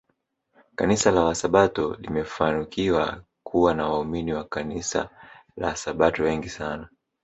Kanisa la wasabato limefanukiwa kuwa na waumini wa kanisla la Sabato wengi sana